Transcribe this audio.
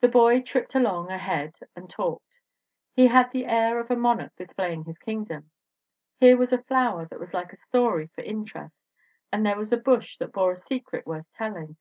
"The boy tripped along ahead and talked. He had the air of a monarch displaying his kingdom. Here was a flower that was like a story for interest, and there was a bush that bore a secret worth telling.